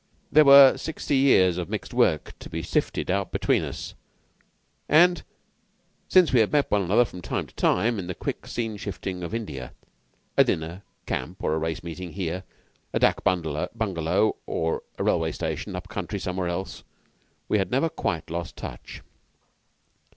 There were sixty years of mixed work to be sifted out between us, and since we had met one another from time to time in the quick scene shifting of India a dinner, camp, or a race meeting here; a dak bungalow or railway station up country somewhere else we had never quite lost touch.